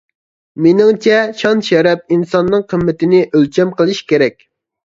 مېنىڭچە، شان-شەرەپ ئىنساننىڭ قىممىتىنى ئۆلچەم قىلىش كېرەك.